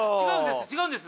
違うんです